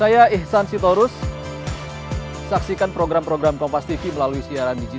yang empat kalinya ini